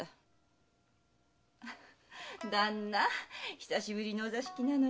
久しぶりのお座敷なのに。